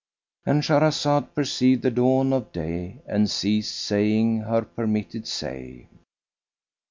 —And Shahrazad perceived the dawn of day and ceased saying her permitted say.